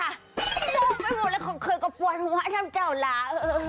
เริ่มไปหมดอะไรของเคยก็ปวดหัวทำเจ้าลา